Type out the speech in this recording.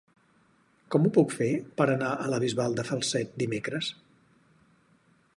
Com ho puc fer per anar a la Bisbal de Falset dimecres?